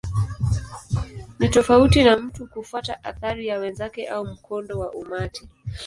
Ni tofauti na mtu kufuata athari ya wenzake au mkondo wa umati.